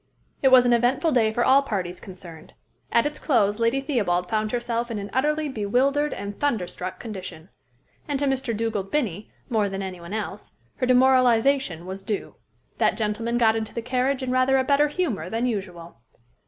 It was an eventful day for all parties concerned. At its close Lady Theobald found herself in an utterly bewildered and thunderstruck condition. And to Mr. Dugald Binnie, more than to any one else, her demoralization was due. That gentleman got into the carriage, in rather a better humor than usual.